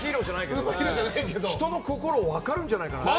人の心が分かるんじゃないかと。